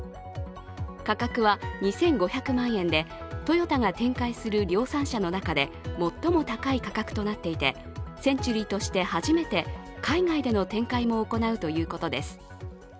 価格は２５００万円で、トヨタが展開する量産車の中で最も高い価格となっていて、センチュリーとして初めて海外での展開も行うということです。